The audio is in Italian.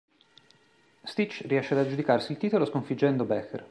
Stich riesce ad aggiudicarsi il titolo sconfiggendo Becker.